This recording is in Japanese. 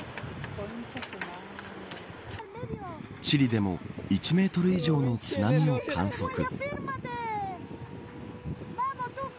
チリでも１メートル以上の津波を観測。